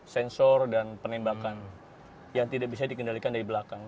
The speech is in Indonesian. sensor dan penembakan yang tidak bisa dikendalikan dari belakang